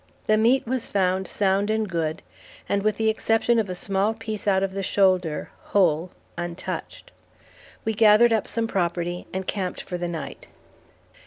The meat was found sound and good, and with the exception of a small piece out of the shoulder, whole, untouched. We gathered up some property, and camped for the night.